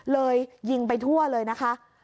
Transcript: เลยยิงไปทั่วเลยนะคะ